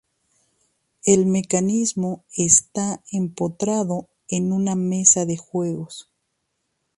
El mecanismo está empotrado en una mesa de juegos.